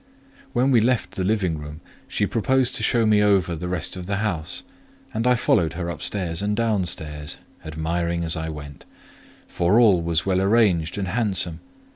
When we left the dining room, she proposed to show me over the rest of the house; and I followed her upstairs and downstairs, admiring as I went; for all was well arranged and handsome.